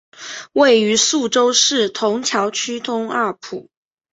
位于宿州市埇桥区东二铺。